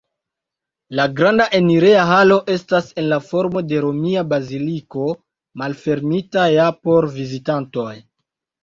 La granda enireja halo estas en formo de romia baziliko, malfermita ja por vizitantoj.